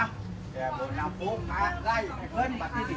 แกบ่นแล้วโป๊บมาไล่ให้เพื่อนบัตรดีดี